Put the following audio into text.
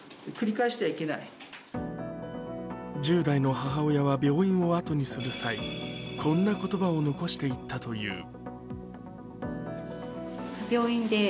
１０代の母親は病院を後にする際、こんな言葉を残していったという。